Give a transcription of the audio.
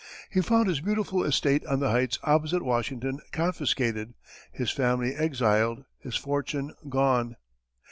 He found his beautiful estate on the heights opposite Washington confiscated, his family exiled, his fortune gone.